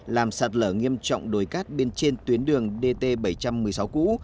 làm sạt lở nghiêm trọng đồi cát bên trên tuyến đường dt bảy trăm một mươi sáu cũ